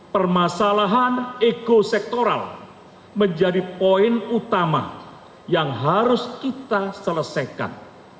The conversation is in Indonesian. permasalahan ekosektoral menjadi poin utama yang harus kita selesaikan